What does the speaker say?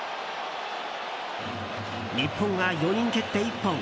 日本が４人蹴って１本。